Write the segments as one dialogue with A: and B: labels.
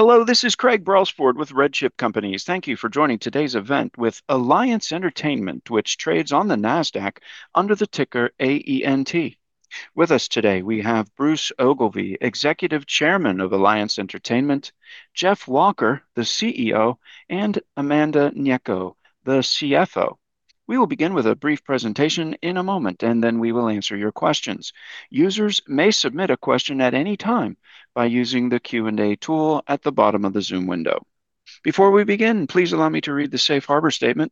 A: Hello, this is Craig Brelsford with RedChip Companies. Thank you for joining today's event with Alliance Entertainment, which trades on the Nasdaq under the ticker AENT. With us today, we have Bruce Ogilvie, Executive Chairman of Alliance Entertainment, Jeff Walker, the CEO, and Amanda Gnecco, the CFO. We will begin with a brief presentation in a moment, and then we will answer your questions. Users may submit a question at any time by using the Q&A tool at the bottom of the Zoom window. Before we begin, please allow me to read the safe harbor statement.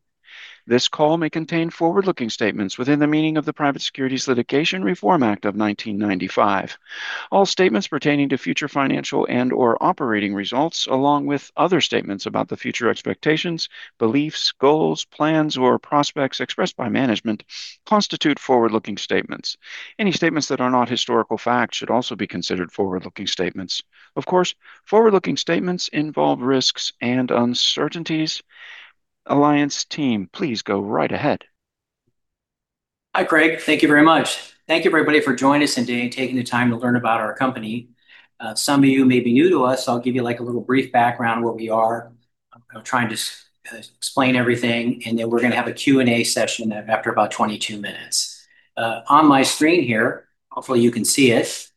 A: This call may contain forward-looking statements within the meaning of the Private Securities Litigation Reform Act of 1995. All statements pertaining to future financial and/or operating results, along with other statements about the future expectations, beliefs, goals, plans, or prospects expressed by management, constitute forward-looking statements. Of course, forward-looking statements involve risks and uncertainties. Alliance team, please go right ahead.
B: Hi, Craig. Thank you very much. Thank you everybody for joining us today and taking the time to learn about our company. Some of you may be new to us, so I'll give you a little brief background where we are. I'm trying to explain everything, and then we're going to have a Q&A session after about 22 minutes. On my screen here, hopefully you can see it,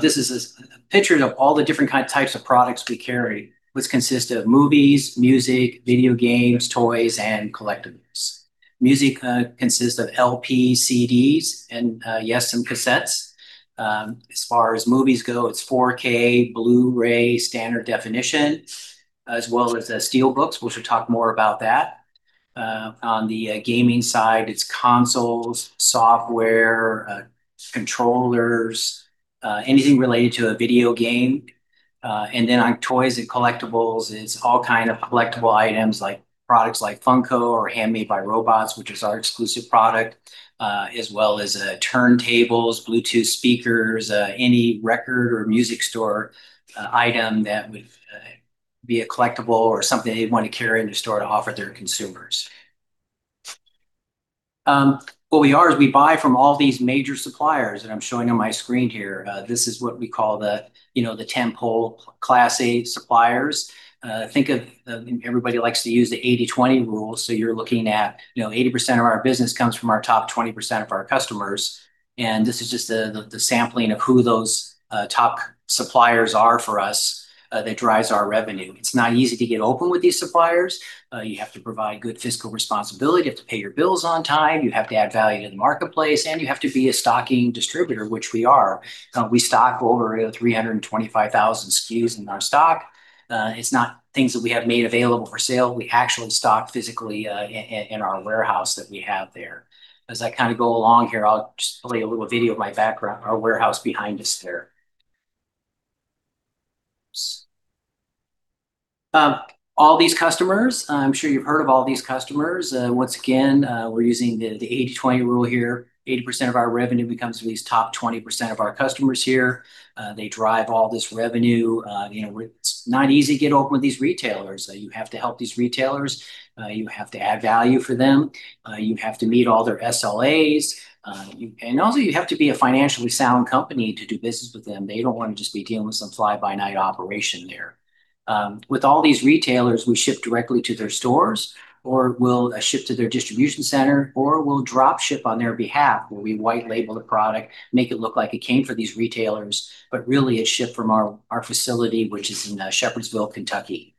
B: this is pictures of all the different types of products we carry, which consist of movies, music, video games, toys, and collectibles. Music consists of LP, CDs, and, yes, some cassettes. As far as movies go, it's 4K, Blu-ray, standard definition, as well as SteelBooks. We shall talk more about that. On the gaming side, it's consoles, software, controllers, anything related to a video game. On toys and collectibles, it's all kind of collectible items, like products like Funko or Handmade by Robots, which is our exclusive product, as well as turntables, Bluetooth speakers, any record or music store item that would be a collectible or something they'd want to carry in their store to offer their consumers. What we are is we buy from all these major suppliers that I'm showing on my screen here. This is what we call the tent-pole Class A suppliers. Everybody likes to use the 80/20 rule, so you're looking at 80% of our business comes from our top 20% of our customers, and this is just the sampling of who those top suppliers are for us that drives our revenue. It's not easy to get open with these suppliers. You have to provide good fiscal responsibility. You have to pay your bills on time. You have to add value to the marketplace, and you have to be a stocking distributor, which we are. We stock over 325,000 SKUs in our stock. It's not things that we have made available for sale. We actually stock physically in our warehouse that we have there. As I go along here, I'll just play a little video of our warehouse behind us there. All these customers, I'm sure you've heard of all these customers. Once again, we're using the 80/20 rule here. 80% of our revenue comes from these top 20% of our customers here. They drive all this revenue. It's not easy to get open with these retailers. You have to help these retailers. You have to add value for them. You have to meet all their SLAs. Also, you have to be a financially sound company to do business with them. They don't want to just be dealing with some fly-by-night operation there. With all these retailers, we ship directly to their stores, or we'll ship to their distribution center, or we'll drop ship on their behalf, where we white label the product, make it look like it came from these retailers, but really it shipped from our facility, which is in Shepherdsville, Kentucky.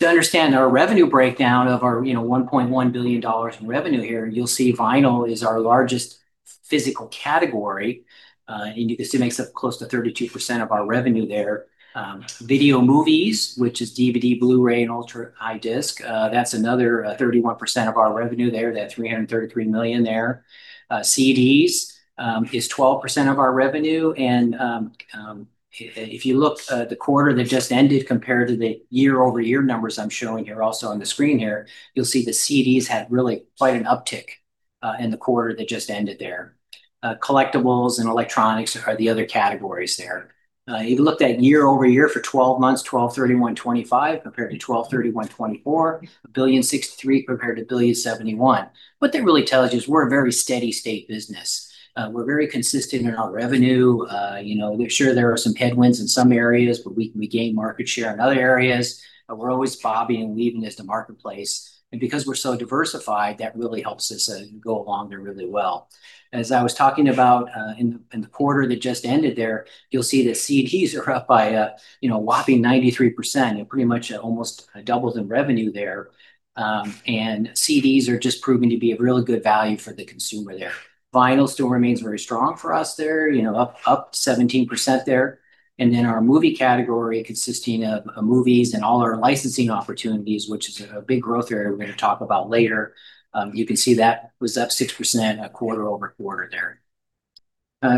B: To understand our revenue breakdown of our $1.1 billion in revenue here, you'll see vinyl is our largest physical category. You can see it makes up close to 32% of our revenue there. Video movies, which is DVD, Blu-ray, and Ultra HD Disc, that's another 31% of our revenue there, that $333 million there. CDs is 12% of our revenue. If you look at the quarter that just ended compared to the year-over-year numbers I'm showing here also on the screen here, you'll see the CDs had really quite an uptick in the quarter that just ended there. Collectibles and electronics are the other categories there. If you looked at year-over-year for 12 months, $1,231.25 compared to $1,231.24, $1,000,063 compared to $1,000,071. What that really tells you is we're a very steady state business. We're very consistent in our revenue. Sure, there are some headwinds in some areas, but we gain market share in other areas. We're always bobbing and weaving as the marketplace, because we're so diversified, that really helps us go along there really well. As I was talking about in the quarter that just ended there, you'll see the CDs are up by a whopping 93% and pretty much almost doubles in revenue there. CDs are just proving to be a really good value for the consumer there. Vinyl still remains very strong for us there, up 17% there. Then our movie category consisting of movies and all our licensing opportunities, which is a big growth area we're going to talk about later, you can see that was up 6% quarter-over-quarter there.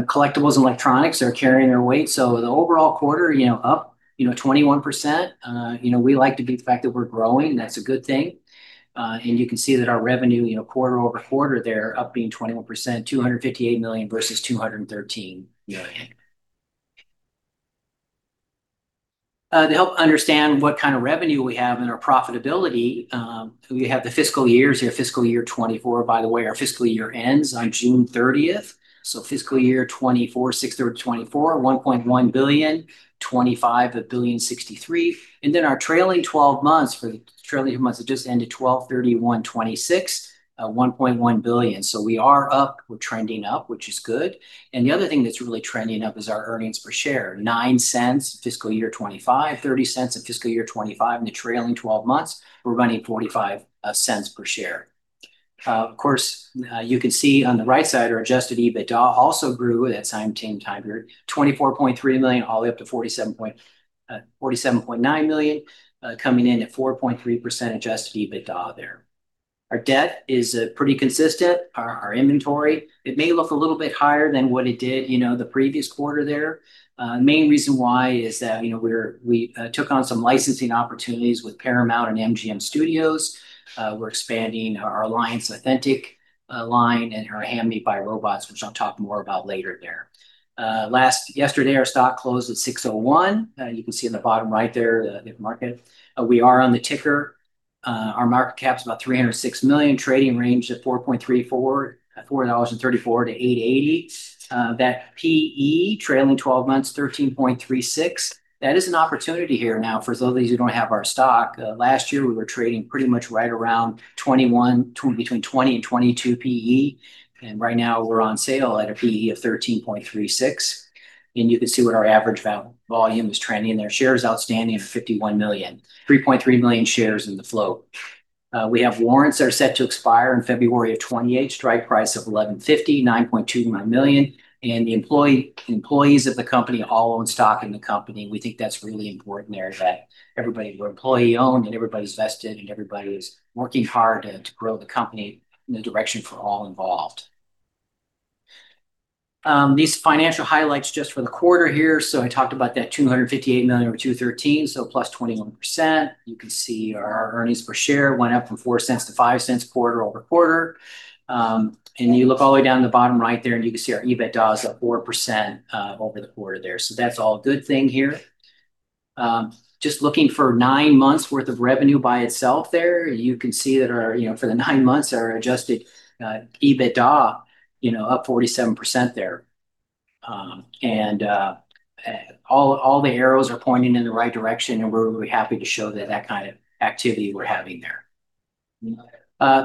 B: Collectibles and electronics are carrying their weight. The overall quarter, up 21%. We like the fact that we're growing. That's a good thing. You can see that our revenue quarter-over-quarter there up being 21%, $258 million versus $213 million. To help understand what kind of revenue we have and our profitability, we have the fiscal years here, fiscal year 2024. Our fiscal year ends on June 30th. Fiscal year 2024, sixth through 2024, $1.1 billion, 2025, $1,063 billion. Our trailing 12 months that just ended, 12/31/2026, $1.1 billion. We are up. We're trending up, which is good. The other thing that's really trending up is our earnings per share, $0.09 fiscal year 2025, $0.30 in fiscal year 2025, and the trailing 12 months, we're running $0.45 per share. Of course, you can see on the right side, our adjusted EBITDA also grew in that same time period, $24.3 million all the way up to $47.9 million, coming in at 4.3% adjusted EBITDA there. Our debt is pretty consistent. Our inventory, it may look a little bit higher than what it did the previous quarter there. Main reason why is that we took on some licensing opportunities with Paramount and MGM Studios. We're expanding our Alliance Authentic line and our Handmade by Robots, which I'll talk more about later there. Yesterday, our stock closed at $6.01. You can see in the bottom right there the market. We are on the ticker. Our market cap's about $306 million, trading range $4.34-$8.80. That PE trailing 12 months, 13.36. That is an opportunity here now for those of you who don't have our stock. Last year, we were trading pretty much right around between 20 and 22 PE. Right now, we're on sale at a PE of 13.36. You can see what our average volume is trending there, shares outstanding of 51 million, 3.3 million shares in the float. We have warrants that are set to expire in February of 2028, strike price of $11.50, 9.2 million. The employees of the company all own stock in the company, and we think that's really important there, that everybody, we're employee-owned and everybody's vested and everybody's working hard to grow the company in the direction for all involved. These financial highlights just for the quarter here. I talked about that $258 million over $213 million, plus 21%. You can see our earnings per share went up from $0.04 to $0.05 quarter-over-quarter. You look all the way down the bottom right there, you can see our EBITDA's up 4% over the quarter there. That's all a good thing here. Just looking for nine months worth of revenue by itself there, you can see that for the nine months, our adjusted EBITDA up 47% there. All the arrows are pointing in the right direction, and we're really happy to show that kind of activity we're having there.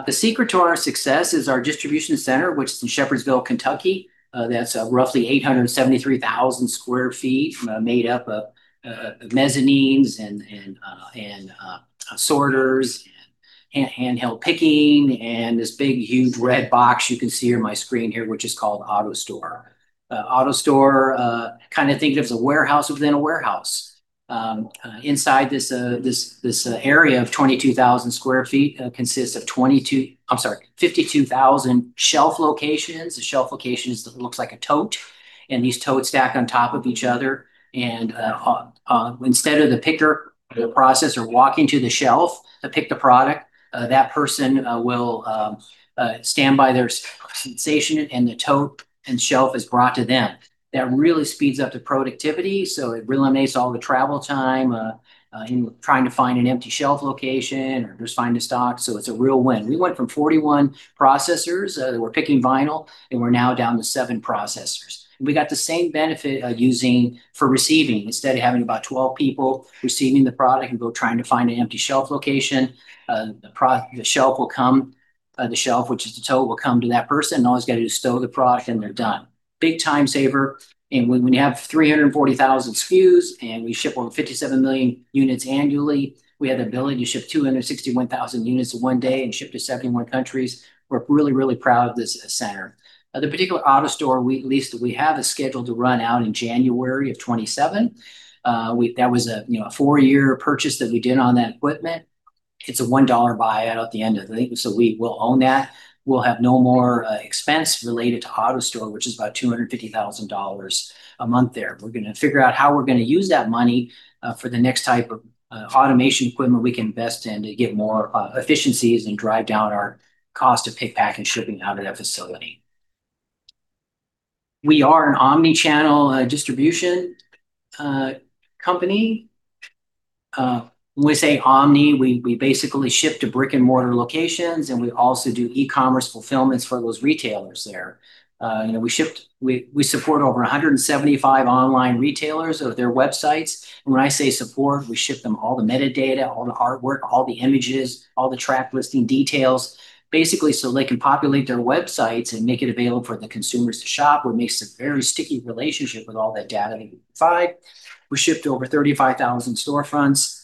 B: The secret to our success is our distribution center, which is in Shepherdsville, Kentucky. That's roughly 873,000 sq ft, made up of mezzanines and sorters and handheld picking, and this big, huge red box you can see on my screen here, which is called AutoStore. AutoStore, think of it as a warehouse within a warehouse. Inside this area of 22,000 sq ft consists of 22, I'm sorry, 52,000 shelf locations. A shelf location looks like a tote, and these totes stack on top of each other. Instead of the picker, the processor walking to the shelf to pick the product, that person will stand by their workstation, and the tote and shelf is brought to them. That really speeds up the productivity. It eliminates all the travel time in trying to find an empty shelf location or just finding stock. It's a real win. We went from 41 processors that were picking vinyl, and we're now down to seven processors. We got the same benefit using for receiving. Instead of having about 12 people receiving the product and go trying to find an empty shelf location, the shelf, which is the tote, will come to that person, and all he's got to do is stow the product, and they're done. Big time saver. When you have 340,000 SKUs, and we ship over 57 million units annually, we have the ability to ship 261,000 units in one day and ship to 71 countries. We're really, really proud of this center. The particular AutoStore lease that we have is scheduled to run out in January of 2027. That was a four-year purchase that we did on that equipment. It's a $1 buyout at the end of it, so we will own that. We'll have no more expense related to AutoStore, which is about $250,000 a month there. We're going to figure out how we're going to use that money for the next type of automation equipment we can invest in to get more efficiencies and drive down our cost of pick, pack, and shipping out of that facility. We are an omni-channel distribution company. When we say omni, we basically ship to brick-and-mortar locations, and we also do e-commerce fulfillments for those retailers there. We support over 175 online retailers of their websites. When I say support, we ship them all the metadata, all the artwork, all the images, all the track listing details, basically, so they can populate their websites and make it available for the consumers to shop, what makes a very sticky relationship with all that data they provide. We ship to over 35,000 storefronts.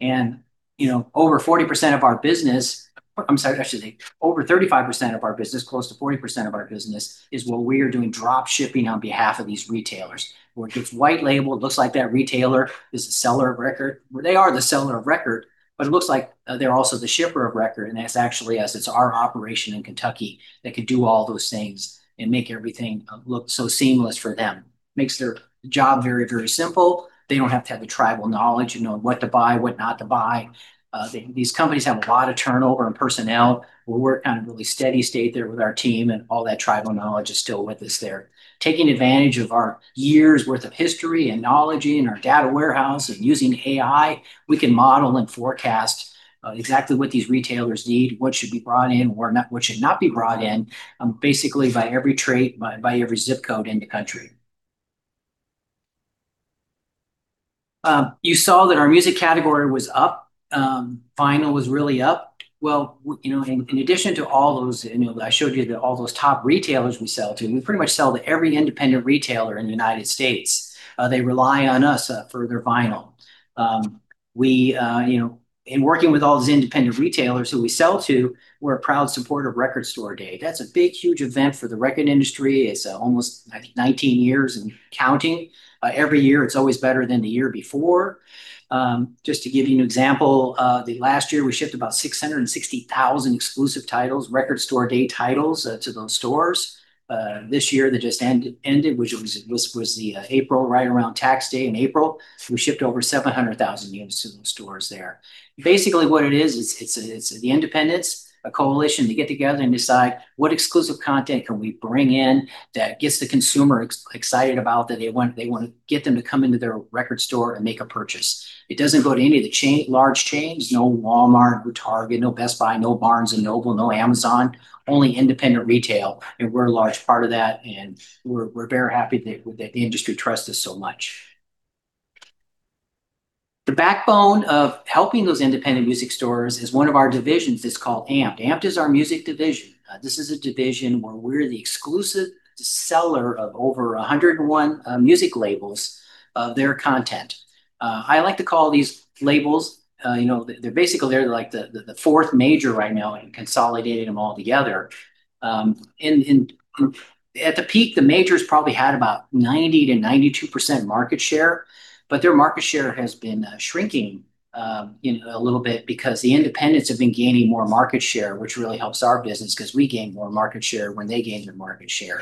B: Over 40% of our business— I'm sorry, I should say over 35% of our business, close to 40% of our business is where we are doing drop shipping on behalf of these retailers, where it gets white labeled. It looks like that retailer is the seller of record. Well, they are the seller of record, but it looks like they're also the shipper of record, and that's actually us. It's our operation in Kentucky that could do all those things and make everything look so seamless for them. Makes their job very, very simple. They don't have to have the tribal knowledge of knowing what to buy, what not to buy. These companies have a lot of turnover in personnel, where we're kind of really steady state there with our team, and all that tribal knowledge is still with us there. Taking advantage of our years' worth of history and knowledge in our data warehouse and using AI, we can model and forecast exactly what these retailers need, what should be brought in, what should not be brought in, basically by every trade, by every ZIP code in the country. You saw that our music category was up. Vinyl was really up. In addition to all those, and I showed you all those top retailers we sell to, we pretty much sell to every independent retailer in the U.S. They rely on us for their vinyl. In working with all those independent retailers who we sell to, we're a proud supporter of Record Store Day. That's a big, huge event for the record industry. It's almost 19 years and counting. Every year, it's always better than the year before. Just to give you an example, the last year, we shipped about 660,000 exclusive titles, Record Store Day titles, to those stores. This year that just ended, which was the April, right around tax day in April, we shipped over 700,000 units to those stores there. What it is, it's the independents, a coalition to get together and decide what exclusive content can we bring in that gets the consumer excited about that they want to get them to come into their record store and make a purchase. It doesn't go to any of the large chains. No Walmart, no Target, no Best Buy, no Barnes & Noble, no Amazon, only independent retail, and we're a large part of that, and we're very happy that the industry trusts us so much. The backbone of helping those independent music stores is one of our divisions is called AMPED. AMPED is our music division. This is a division where we're the exclusive seller of over 101 music labels of their content. I like to call these labels, they're basically like the fourth major right now in consolidating them all together. At the peak, the majors probably had about 90%-92% market share, but their market share has been shrinking a little bit because the independents have been gaining more market share, which really helps our business because we gain more market share when they gain their market share.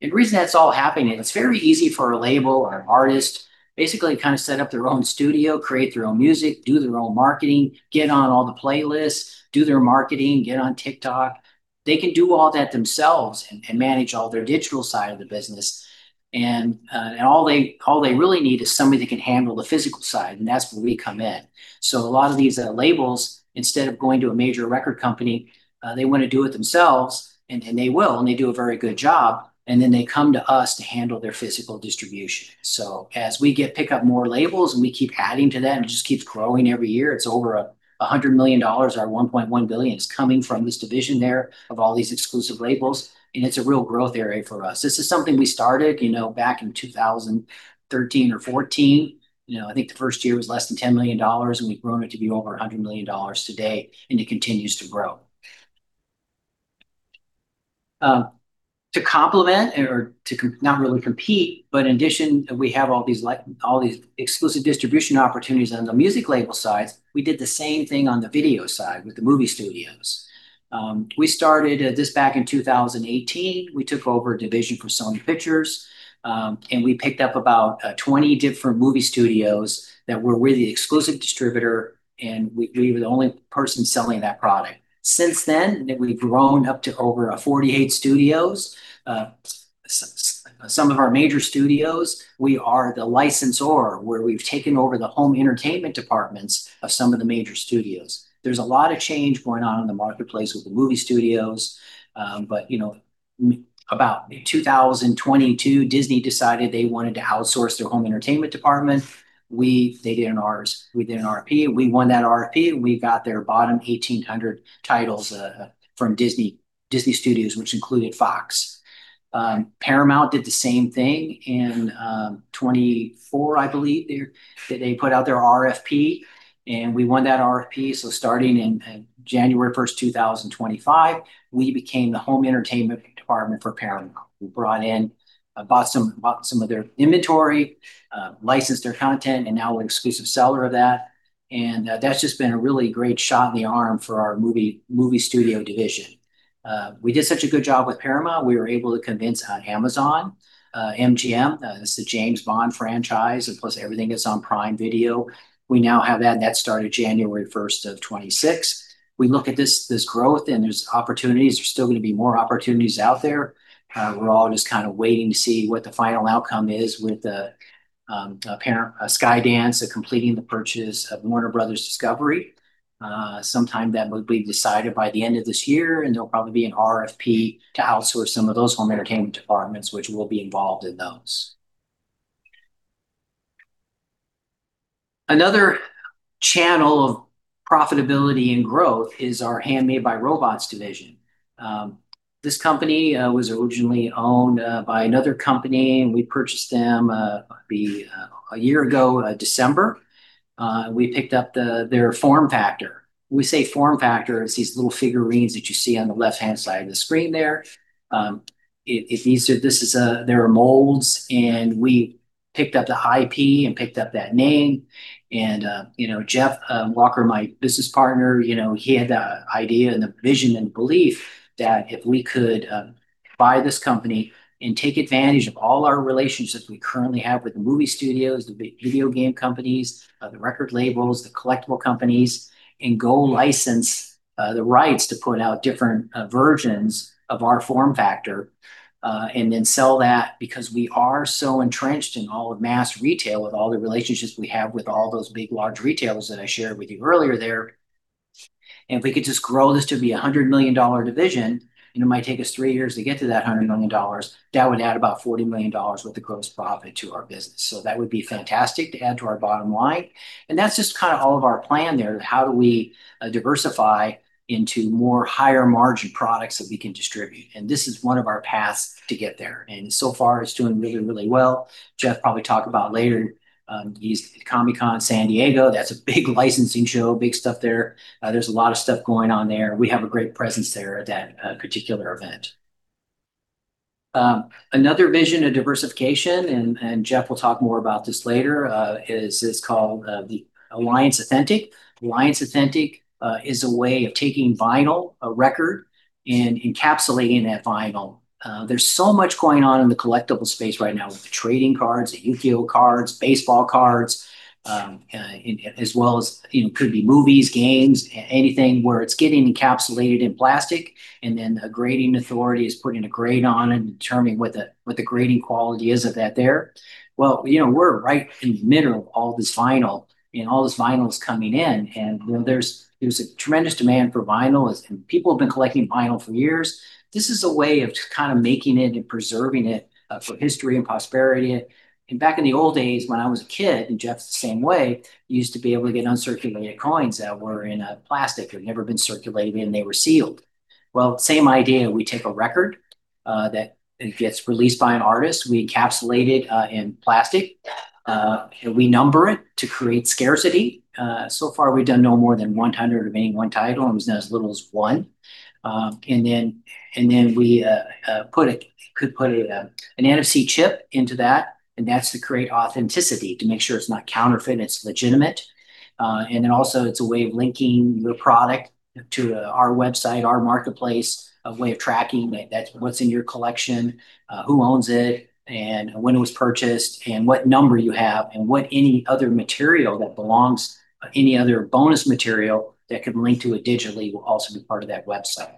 B: The reason that's all happening, it's very easy for a label or an artist, basically to set up their own studio, create their own music, do their own marketing, get on all the playlists, do their marketing, get on TikTok. They can do all that themselves and manage all their digital side of the business. All they really need is somebody that can handle the physical side, and that's where we come in. A lot of these labels, instead of going to a major record company, they want to do it themselves, and they will, and they do a very good job, and then they come to us to handle their physical distribution. As we pick up more labels and we keep adding to that, and it just keeps growing every year. It's over $100 million, our $1.1 billion is coming from this division there of all these exclusive labels, and it's a real growth area for us. This is something we started back in 2013 or 2014. I think the first year was less than $10 million, and we've grown it to be over $100 million today, and it continues to grow. To complement or to not really compete, but in addition, we have all these exclusive distribution opportunities on the music label side. We did the same thing on the video side with the movie studios. We started this back in 2018. We took over a division for Sony Pictures. We picked up about 20 different movie studios that we're the exclusive distributor, and we were the only person selling that product. Since then, we've grown up to over 48 studios. Some of our major studios, we are the licensor, where we've taken over the home entertainment departments of some of the major studios. There's a lot of change going on in the marketplace with the movie studios. About 2022, Disney decided they wanted to outsource their home entertainment department. They did an RFP, and we won that RFP, and we got their bottom 1,800 titles from Disney Studios, which included Fox. Paramount did the same thing in 2024, I believe. They put out their RFP, and we won that RFP. Starting in January 1st, 2025, we became the home entertainment department for Paramount. We bought some of their inventory, licensed their content, and now we're an exclusive seller of that. That's just been a really great shot in the arm for our movie studio division. We did such a good job with Paramount, we were able to convince Amazon, MGM, this is the James Bond franchise, and plus everything is on Prime Video. We now have that. That started January 1st of 2026. We look at this growth and there's opportunities. There's still going to be more opportunities out there. We're all just kind of waiting to see what the final outcome is with Skydance completing the purchase of Warner Bros. Discovery. Sometime that will be decided by the end of this year, and there'll probably be an RFP to outsource some of those home entertainment departments, which we'll be involved in those. Another channel of profitability and growth is our Handmade by Robots division. This company was originally owned by another company, and we purchased them a year ago December. We picked up their form factor. We say form factor as these little figurines that you see on the left-hand side of the screen there. There are molds, and we picked up the IP and picked up that name. Jeff Walker, my business partner, he had the idea and the vision and belief that if we could buy this company and take advantage of all our relationships we currently have with the movie studios, the video game companies, the record labels, the collectible companies, and go license the rights to put out different versions of our form factor, and then sell that because we are so entrenched in all of mass retail with all the relationships we have with all those big, large retailers that I shared with you earlier there. If we could just grow this to be a $100 million division, and it might take us three years to get to that $100 million, that would add about $40 million worth of gross profit to our business. That would be fantastic to add to our bottom line. That's just kind of all of our plan there. How do we diversify into more higher margin products that we can distribute? This is one of our paths to get there. So far, it's doing really, really well. Jeff will probably talk about later, he's at Comic-Con, San Diego. That's a big licensing show, big stuff there. There's a lot of stuff going on there. We have a great presence there at that particular event. Another vision of diversification, Jeff will talk more about this later, is called the Alliance Authentic. Alliance Authentic is a way of taking vinyl, a record, and encapsulating that vinyl. There's so much going on in the collectible space right now with the trading cards, the Yu-Gi-Oh! cards, baseball cards, as well as could be movies, games, anything where it's getting encapsulated in plastic, and then a grading authority is putting a grade on and determining what the grading quality is of that there. We're right in the middle of all this vinyl, and all this vinyl is coming in, and there's a tremendous demand for vinyl. People have been collecting vinyl for years. This is a way of just kind of making it and preserving it for history and prosperity. Back in the old days, when I was a kid, and Jeff's the same way, you used to be able to get uncirculated coins that were in plastic, that had never been circulated, and they were sealed. Same idea. We take a record that gets released by an artist. We encapsulate it in plastic. We number it to create scarcity. So far, we've done no more than 100 of any one title, and as little as one. We could put an NFC chip into that, and that's to create authenticity, to make sure it's not counterfeit, it's legitimate. Also, it's a way of linking your product to our website, our marketplace, a way of tracking what's in your collection, who owns it, and when it was purchased, and what number you have, and what any other material that belongs, any other bonus material that can link to it digitally will also be part of that website.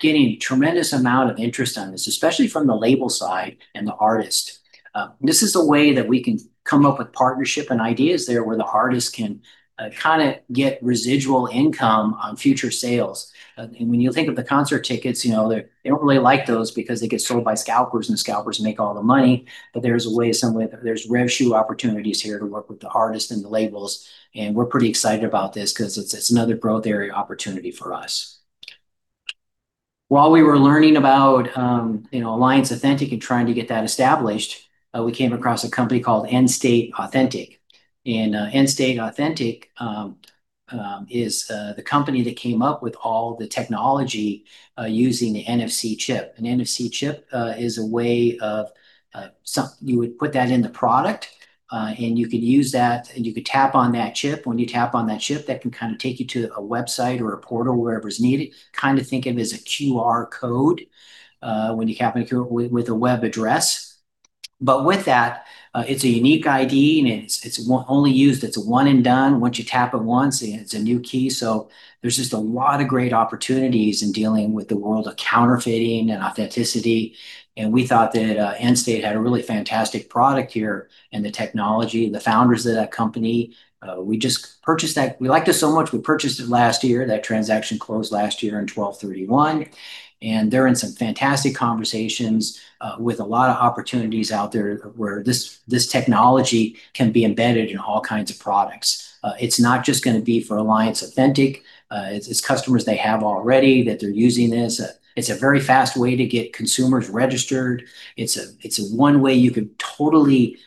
B: Getting tremendous amount of interest on this, especially from the label side and the artist. This is a way that we can come up with partnership and ideas there where the artist can get residual income on future sales. When you think of the concert tickets, they don't really like those because they get sold by scalpers, and scalpers make all the money. There's a way, some way, there's rev-share opportunities here to work with the artists and the labels, and we're pretty excited about this because it's another growth area opportunity for us. While we were learning about Alliance Authentic and trying to get that established, we came across a company called Endstate Authentic. Endstate Authentic is the company that came up with all the technology using the NFC chip. An NFC chip is a way of. You would put that in the product, and you could use that, and you could tap on that chip. When you tap on that chip, that can take you to a website or a portal, wherever is needed. Kind of think of as a QR code when you tap it with a web address. With that, it's a unique ID, and it's only used, it's a one and done. Once you tap it once, it's a new key. There's just a lot of great opportunities in dealing with the world of counterfeiting and authenticity, and we thought that Endstate had a really fantastic product here and the technology, the founders of that company. We liked it so much, we purchased it last year. That transaction closed last year on 12/31, and they're in some fantastic conversations with a lot of opportunities out there where this technology can be embedded in all kinds of products. It's not just going to be for Alliance Authentic. It's customers they have already that they're using this. It's a very fast way to get consumers registered. It's one way you could totally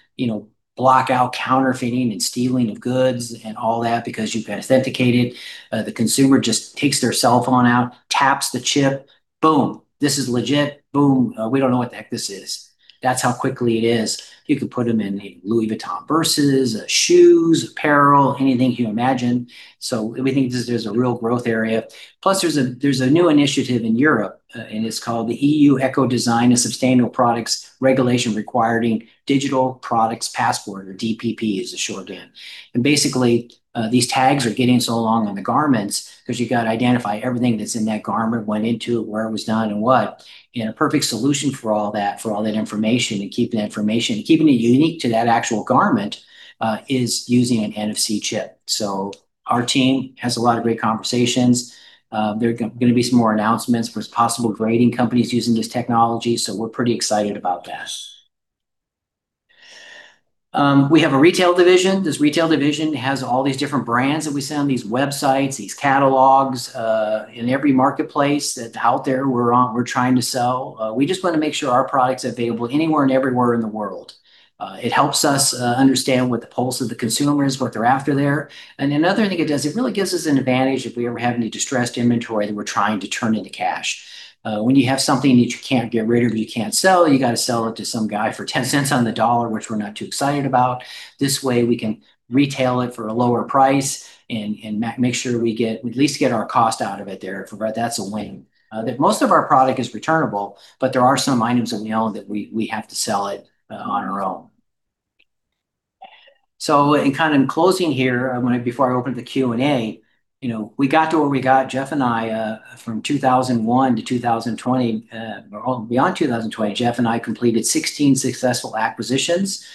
B: block out counterfeiting and stealing of goods and all that because you've authenticated. The consumer just takes their cell phone out, taps the chip, boom. This is legit. Boom. We don't know what the heck this is. That's how quickly it is. You could put them in a Louis Vuitton purses, shoes, apparel, anything you imagine. We think there's a real growth area. There's a new initiative in Europe, and it's called the EU Ecodesign for Sustainable Products Regulation requiring digital products passport, or DPP as a shorthand. Basically, these tags are getting so long on the garments because you got to identify everything that's in that garment, went into it, where it was done, and what. A perfect solution for all that information and keeping that information, keeping it unique to that actual garment, is using an NFC chip. Our team has a lot of great conversations. There are going to be some more announcements for possible grading companies using this technology. We're pretty excited about that. We have a retail division. This retail division has all these different brands that we sell on these websites, these catalogs, in every marketplace that out there we're trying to sell. We just want to make sure our product's available anywhere and everywhere in the world. It helps us understand what the pulse of the consumer is, what they're after there. Another thing it does, it really gives us an advantage if we ever have any distressed inventory that we're trying to turn into cash. When you have something that you can't get rid of, you can't sell, you got to sell it to some guy for $0.10 on the dollar, which we're not too excited about. This way, we can retail it for a lower price and make sure we at least get our cost out of it there. That's a win. Most of our product is returnable, but there are some items that we own that we have to sell it on our own. In closing here, before I open the Q&A, we got to where we got, Jeff and I, from 2001 to 2020, or beyond 2020, Jeff and I completed 16 successful acquisitions.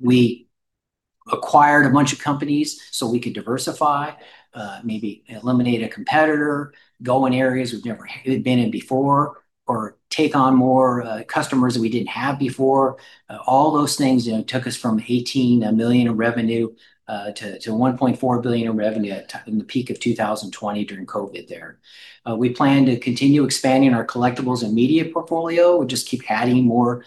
B: We acquired a bunch of companies so we could diversify, maybe eliminate a competitor, go in areas we've never been in before, or take on more customers that we didn't have before. All those things took us from $18 million in revenue to $1.4 billion in revenue at the peak of 2020 during COVID there. We plan to continue expanding our collectibles and media portfolio. We'll just keep adding more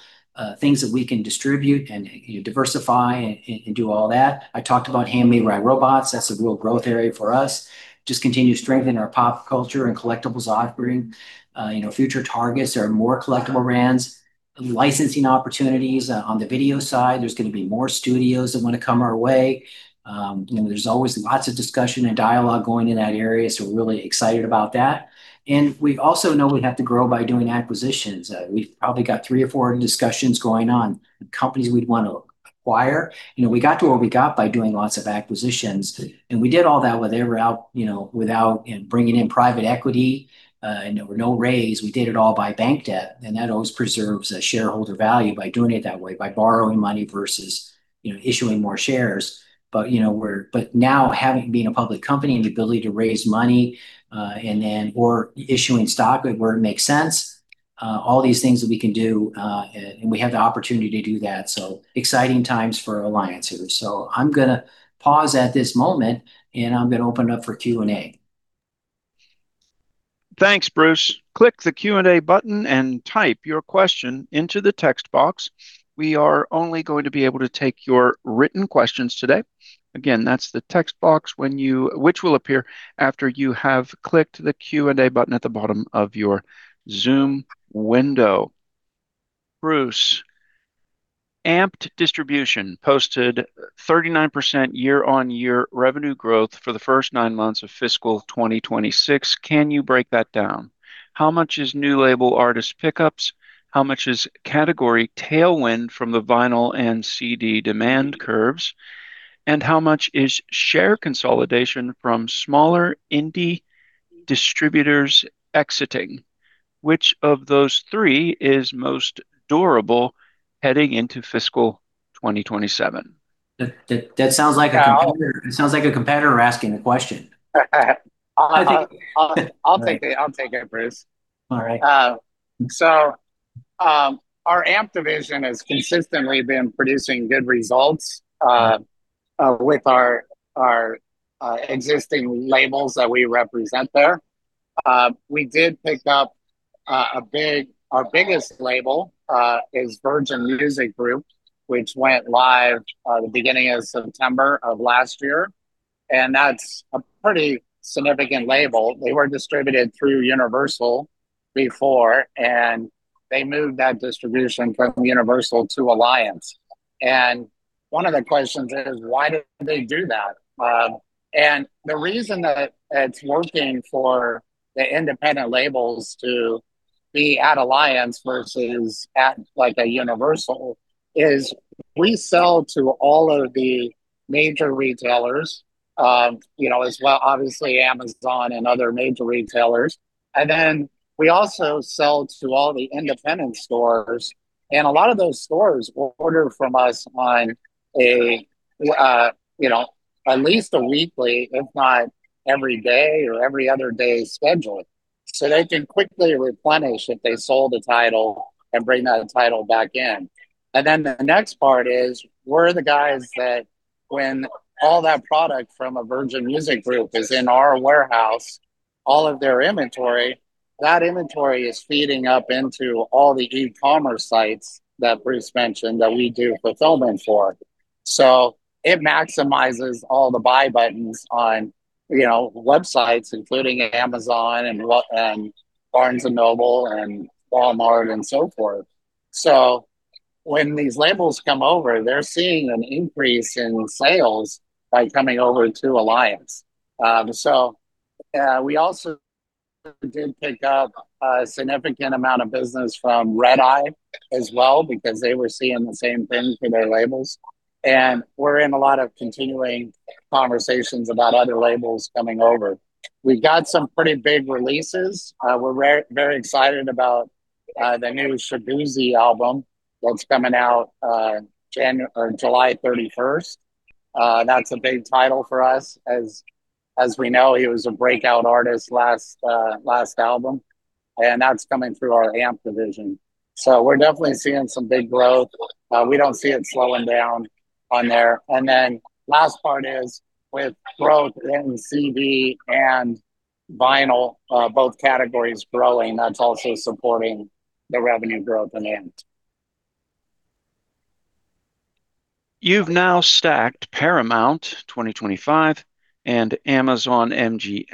B: things that we can distribute and diversify and do all that. I talked about Handmade by Robots. That's a real growth area for us. Just continue to strengthen our pop culture and collectibles offering. Future targets are more collectible brands, licensing opportunities on the video side. There's going to be more studios that want to come our way. There's always lots of discussion and dialogue going in that area, so we're really excited about that. We also know we have to grow by doing acquisitions. We've probably got three or four discussions going on, companies we'd want to acquire. We got to where we got by doing lots of acquisitions, and we did all that without bringing in private equity. There were no raise. We did it all by bank debt, that always preserves shareholder value by doing it that way, by borrowing money versus issuing more shares. Now, being a public company and the ability to raise money or issuing stock where it makes sense, all these things that we can do, we have the opportunity to do that, exciting times for Alliance here. I'm going to pause at this moment, I'm going to open it up for Q&A.
A: Thanks, Bruce. Click the Q&A button type your question into the text box. We are only going to be able to take your written questions today. Again, that's the text box, which will appear after you have clicked the Q&A button at the bottom of your Zoom window. Bruce, AMPED Distribution posted 39% year-on-year revenue growth for the first nine months of fiscal 2026. Can you break that down? How much is new label artist pickups? How much is category tailwind from the vinyl and CD demand curves? How much is share consolidation from smaller indie distributors exiting? Which of those three is most durable heading into fiscal 2027?
B: That sounds like a competitor asking the question.
C: I'll take it, Bruce.
B: All right.
C: Our AMPED division has consistently been producing good results with our existing labels that we represent there. We did pick up our biggest label, is Virgin Music Group, which went live the beginning of September of last year. That's a pretty significant label. They were distributed through Universal before, and they moved that distribution from Universal to Alliance. One of the questions is, why did they do that? The reason that it's working for the independent labels to be at Alliance versus at a Universal is we sell to all of the major retailers, as well, obviously, Amazon and other major retailers. We also sell to all the independent stores. A lot of those stores will order from us on at least a weekly, if not every day or every other day schedule. They can quickly replenish if they sold a title and bring that title back in. The next part is we're the guys that when all that product from a Virgin Music Group is in our warehouse, all of their inventory, that inventory is feeding up into all the e-commerce sites that Bruce mentioned that we do fulfillment for. It maximizes all the buy buttons on websites, including Amazon and Barnes & Noble and Walmart and so forth. When these labels come over, they're seeing an increase in sales by coming over to Alliance. We also did pick up a significant amount of business from Redeye as well, because they were seeing the same thing for their labels. We're in a lot of continuing conversations about other labels coming over. We've got some pretty big releases. We're very excited about the new Shaboozey album that's coming out July 31st. That's a big title for us as we know he was a breakout artist last album, and that's coming through our AMPED division. We're definitely seeing some big growth. We don't see it slowing down on there. Last part is with growth in CD and vinyl, both categories growing, that's also supporting the revenue growth in AMPED.
A: You've now stacked Paramount 2025 and Amazon MGM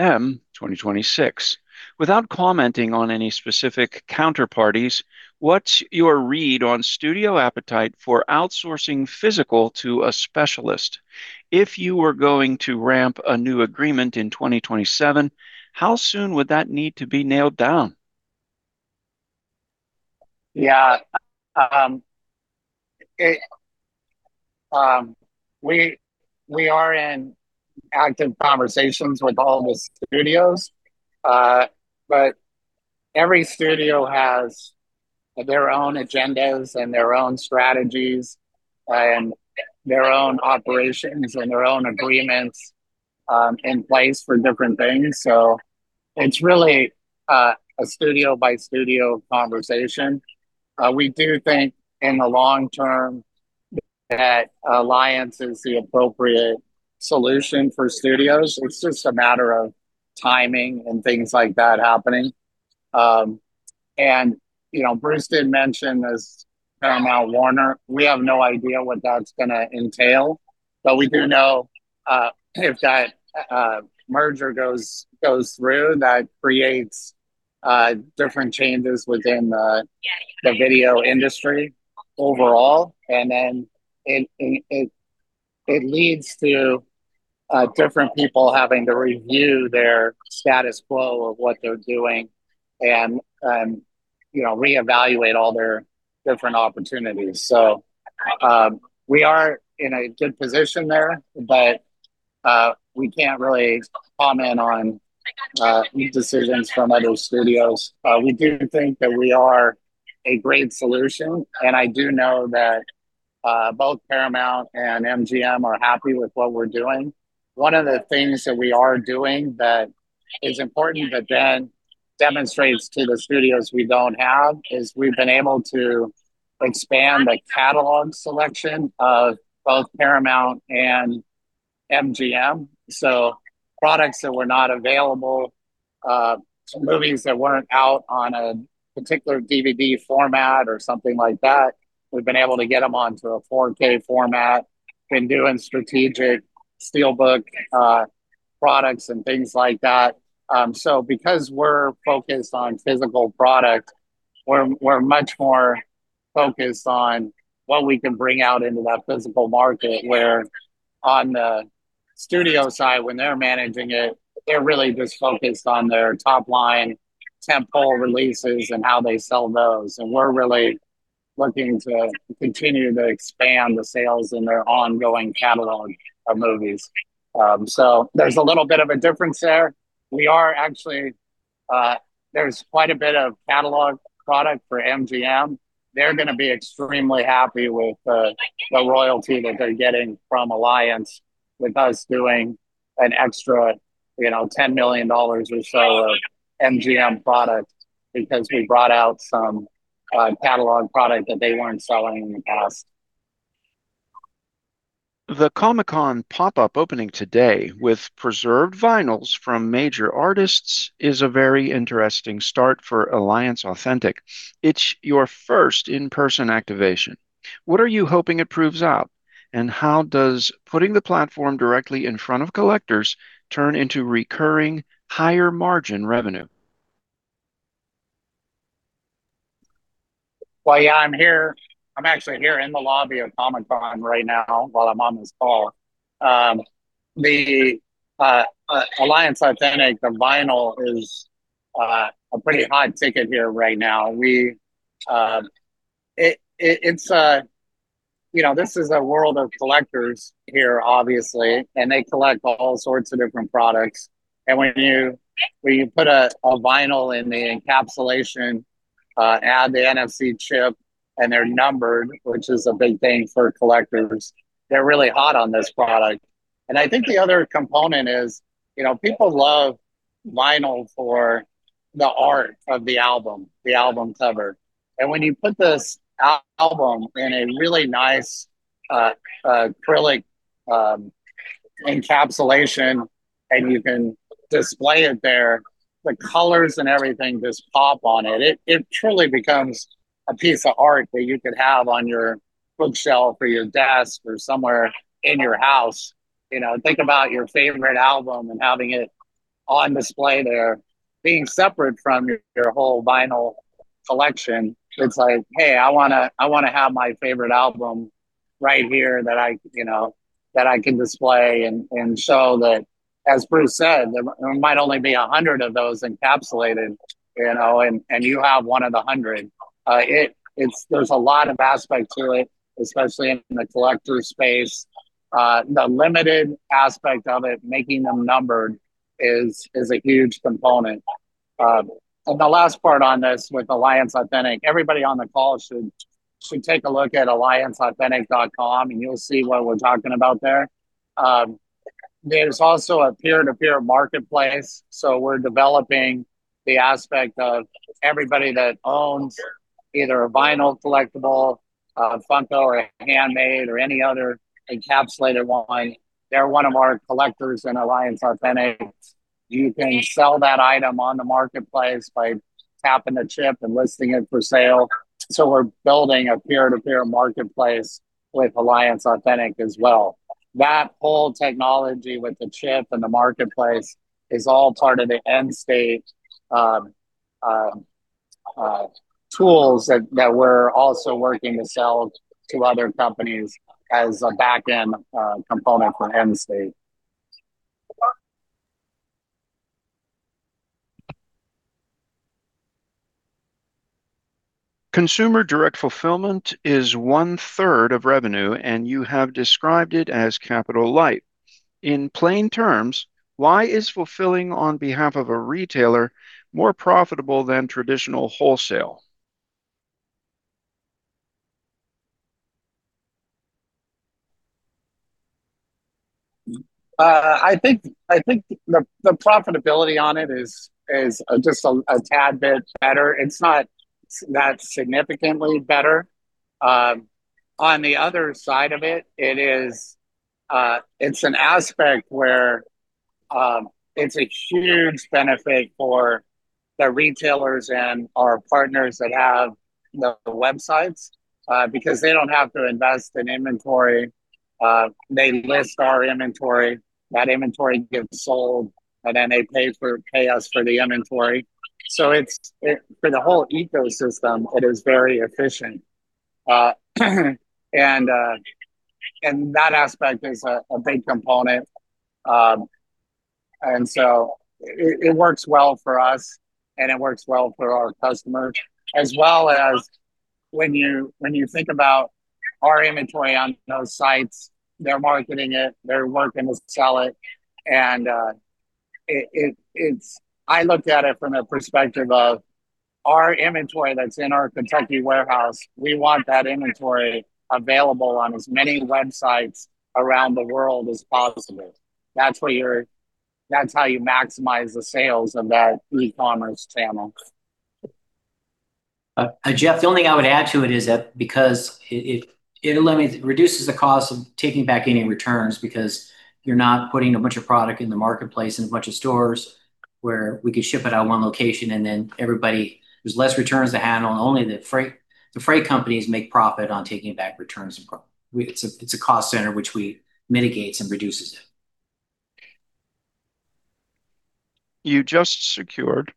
A: 2026. Without commenting on any specific counterparties, what's your read on studio appetite for outsourcing physical to a specialist? If you were going to ramp a new agreement in 2027, how soon would that need to be nailed down?
C: Yeah. We are in active conversations with all the studios, every studio has their own agendas and their own strategies and their own operations and their own agreements in place for different things. It's really a studio-by-studio conversation. We do think in the long term that Alliance is the appropriate solution for studios. It's just a matter of timing and things like that happening. Bruce did mention this Paramount/Warner, we have no idea what that's going to entail, we do know if that merger goes through, that creates different changes within the video industry overall. It leads to different people having to review their status quo of what they're doing and reevaluate all their different opportunities. We are in a good position there, we can't really comment on decisions from other studios. We do think that we are a great solution, I do know that both Paramount and MGM are happy with what we're doing. One of the things that we are doing that is important, that then demonstrates to the studios we don't have, is we've been able to expand the catalog selection of both Paramount and MGM. Products that were not available, movies that weren't out on a particular DVD format or something like that, we've been able to get them onto a 4K format. Been doing strategic SteelBook products and things like that. Because we're focused on physical product, we're much more focused on what we can bring out into that physical market, where on the studio side, when they're managing it, they're really just focused on their top-line tent-pole releases and how they sell those. We're really looking to continue to expand the sales in their ongoing catalog of movies. There's a little bit of a difference there. There's quite a bit of catalog product for MGM. They're going to be extremely happy with the royalty that they're getting from Alliance, with us doing an extra $10 million or so of MGM product because we brought out some catalog product that they weren't selling in the past.
A: The Comic-Con pop-up opening today with preserved vinyls from major artists is a very interesting start for Alliance Authentic. It's your first in-person activation. What are you hoping it proves out, and how does putting the platform directly in front of collectors turn into recurring higher-margin revenue?
C: Well, yeah. I'm actually here in the lobby of Comic-Con right now while I'm on this call. The Alliance Authentic, the vinyl is a pretty hot ticket here right now. This is a world of collectors here, obviously, and they collect all sorts of different products. When you put a vinyl in the encapsulation, add the NFC chip, and they're numbered, which is a big thing for collectors, they're really hot on this product. I think the other component is people love vinyl for the art of the album, the album cover. When you put this album in a really nice acrylic encapsulation, and you can display it there, the colors and everything just pop on it. It truly becomes a piece of art that you could have on your bookshelf or your desk or somewhere in your house. Think about your favorite album and having it on display there, being separate from your whole vinyl collection. It's like, "Hey, I want to have my favorite album right here that I can display and show that," as Bruce said, "There might only be 100 of those encapsulated, and you have one of the 100." There's a lot of aspects to it, especially in the collector space. The limited aspect of it, making them numbered is a huge component. The last part on this with Alliance Authentic, everybody on the call should take a look at allianceauthentic.com, and you'll see what we're talking about there. There's also a peer-to-peer marketplace, so we're developing the aspect of everybody that owns either a vinyl collectible, a Funko or a Handmade by Robots or any other encapsulated one. They're one of our collectors in Alliance Authentic. You can sell that item on the marketplace by tapping the chip and listing it for sale. We're building a peer-to-peer marketplace with Alliance Authentic as well. That whole technology with the chip and the marketplace is all part of the Endstate tools that we're also working to sell to other companies as a back-end component for Endstate.
A: Consumer direct fulfillment is one-third of revenue, you have described it as capital light. In plain terms, why is fulfilling on behalf of a retailer more profitable than traditional wholesale?
C: I think the profitability on it is just a tad bit better. It's not significantly better. On the other side of it's an aspect where it's a huge benefit for the retailers and our partners that have the websites, because they don't have to invest in inventory. They list our inventory, that inventory gets sold, then they pay us for the inventory. For the whole ecosystem, it is very efficient. That aspect is a big component. It works well for us and it works well for our customers as well as when you think about our inventory on those sites, they're marketing it, they're working to sell it. I look at it from a perspective of our inventory that's in our Kentucky warehouse. We want that inventory available on as many websites around the world as possible. That's how you maximize the sales of that e-commerce channel.
B: Jeff, the only thing I would add to it is that because it reduces the cost of taking back any returns because you're not putting a bunch of product in the marketplace and a bunch of stores where we could ship it out one location and then everybody, there's less returns to handle, only the freight companies make profit on taking back returns. It's a cost center which we mitigates and reduces it.
A: You just secured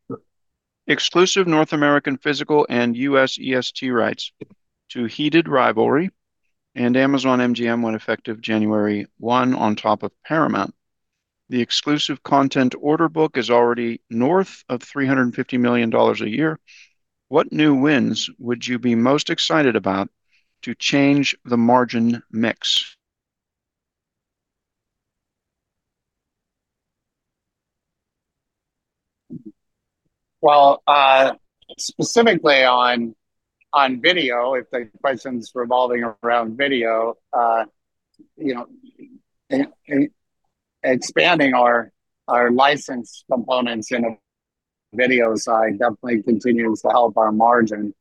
A: exclusive North American physical and U.S. EST rights to Heated Rivalry and Amazon MGM went effective January 1 on top of Paramount. The exclusive content order book is already north of $350 million a year. What new wins would you be most excited about to change the margin mix?
C: Specifically on video, if the question's revolving around video, expanding our license components in a video side definitely continues to help our margin.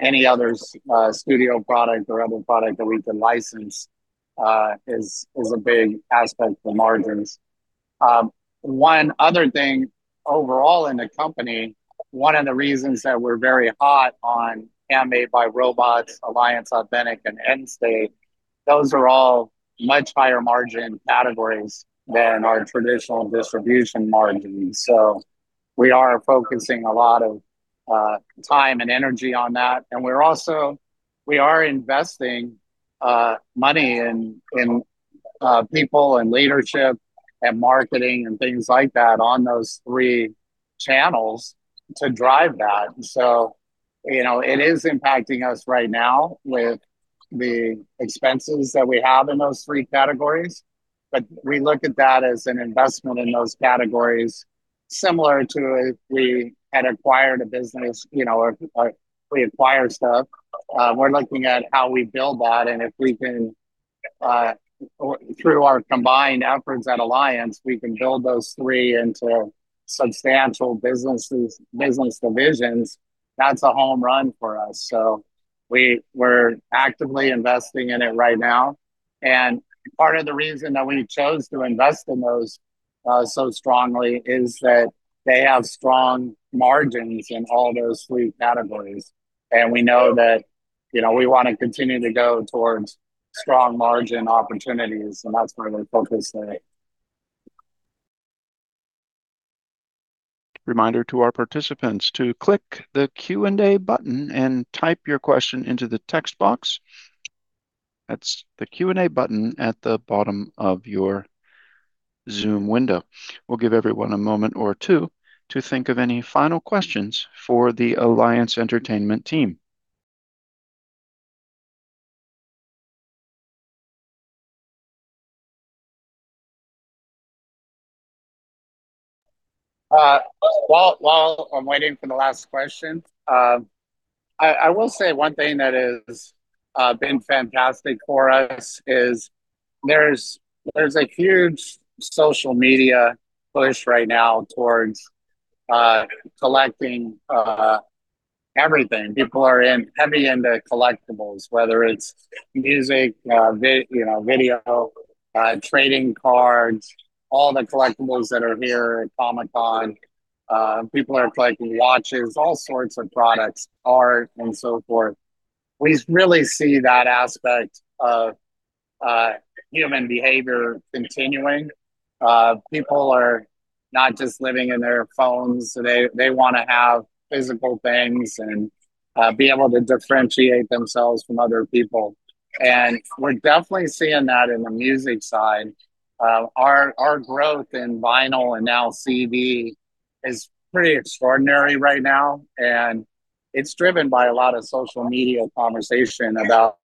C: Any other studio product or other product that we can license is a big aspect for margins. One other thing, overall in the company, one of the reasons that we're very hot on Handmade by Robots, Alliance Authentic and Endstate, those are all much higher margin categories than our traditional distribution margins. We are focusing a lot of time and energy on that. We are investing money in people and leadership and marketing and things like that on those three channels to drive that. It is impacting us right now with the expenses that we have in those three categories, but we look at that as an investment in those categories similar to if we had acquired a business or if we acquire stuff. We're looking at how we build that, and if through our combined efforts at Alliance, we can build those three into substantial business divisions, that's a home run for us. We're actively investing in it right now, and part of the reason that we chose to invest in those so strongly is that they have strong margins in all those three categories. We know that we want to continue to go towards strong margin opportunities, and that's where we're focusing it.
A: Reminder to our participants to click the Q&A button and type your question into the text box. That is the Q&A button at the bottom of your Zoom window. We will give everyone a moment or two to think of any final questions for the Alliance Entertainment team.
C: While I am waiting for the last question, I will say one thing that has been fantastic for us is there is a huge social media push right now towards collecting everything. People are heavy into collectibles, whether it is music, video, trading cards, all the collectibles that are here at Comic-Con. People are collecting watches, all sorts of products, art and so forth. We really see that aspect of human behavior continuing. People are not just living in their phones. They want to have physical things and be able to differentiate themselves from other people. We are definitely seeing that in the music side. Our growth in vinyl and now CD is pretty extraordinary right now, and it is driven by a lot of social media conversation about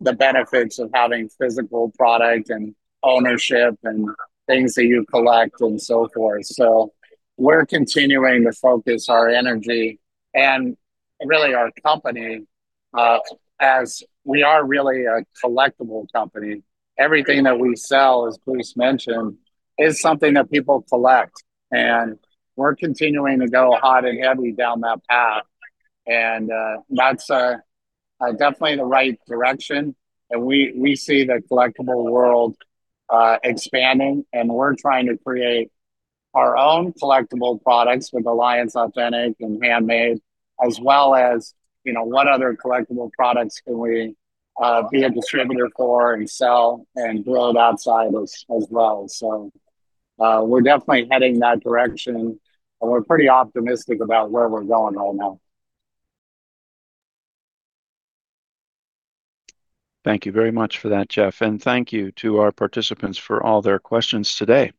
C: the benefits of having physical product and ownership and things that you collect and so forth. We are continuing to focus our energy and really our company, as we are really a collectible company. Everything that we sell, as Bruce mentioned, is something that people collect, and we are continuing to go hot and heavy down that path. That is definitely the right direction, and we see the collectible world expanding, and we are trying to create our own collectible products with Alliance Authentic and Handmade as well as what other collectible products can we be a distributor for and sell and grow it outside as well. We are definitely heading in that direction, and we are pretty optimistic about where we are going right now.
A: Thank you very much for that, Jeff, and thank you to our participants for all their questions today.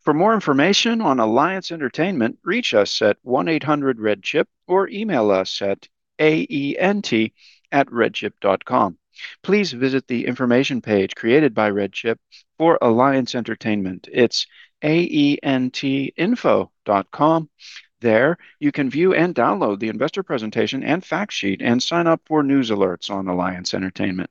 A: For more information on Alliance Entertainment, reach us at 1-800-RedChip or email us at aent@redchip.com. Please visit the information page created by RedChip for Alliance Entertainment. It is aentinfo.com. There, you can view and download the investor presentation and fact sheet and sign up for news alerts on Alliance Entertainment.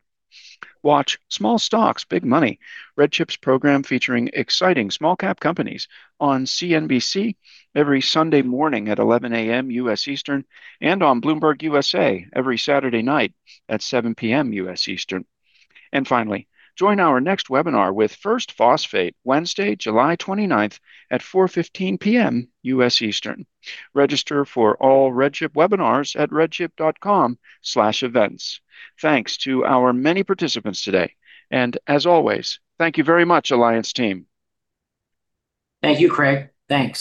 A: Watch Small Stocks, Big Money, RedChip's program featuring exciting small cap companies on CNBC every Sunday morning at 11:00 A.M. U.S. Eastern and on Bloomberg USA every Saturday night at 7:00 P.M. U.S. Eastern. Finally, join our next webinar with First Phosphate, Wednesday, July 29th at 4:15 P.M. U.S. Eastern. Register for all RedChip webinars at redchip.com/events. Thanks to our many participants today, and as always, thank you very much, Alliance team.
B: Thank you, Craig. Thanks.